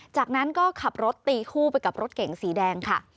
จากนั้นก็ขับรถตีคู่ไปกับรถเก๋งสีแดงค่ะ